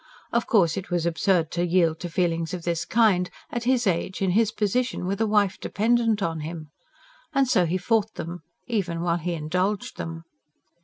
Of course, it was absurd to yield to feelings of this kind; at his age, in his position, with a wife dependent on him. And so he fought them even while he indulged them.